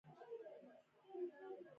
تبعیض او نابرابري انسان ټیټوي.